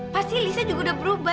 pasti listnya juga udah berubah